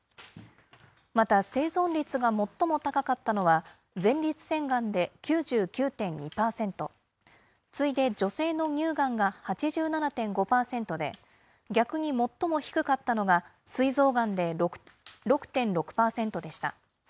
また生存率が最も高かったのは、前立腺がんで９９．２％、次いで女性の乳がんが８７．５％で、逆に最も低かったのが、すい臓がんで６．６％でした。